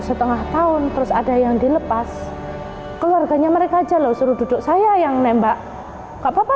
setengah tahun terus ada yang dilepas keluarganya mereka jalo suruh duduk saya yang nembak kak papa